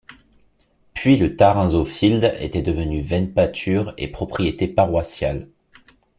Puis le Tarrinzeau-field était devenu vaine pâture et propriété paroissiale.